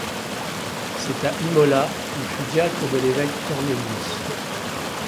C’est à Imola qu’il fut diacre de l’évêque Cornélius.